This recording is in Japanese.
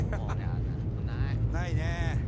ないね。